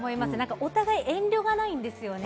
お互い遠慮がないです。